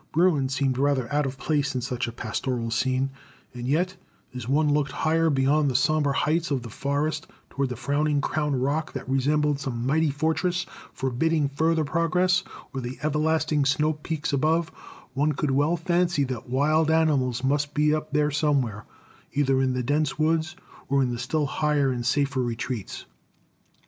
Bruin seemed rather out of place in such a pastoral scene, and yet, as one looked higher beyond the somber heights of the forest toward the frowning crown rock that resembled some mighty fortress forbidding further progress, or the everlasting snow peaks above, one could well fancy that wild animals must be up there somewhere, either in the dense woods or in the still higher and safer retreats.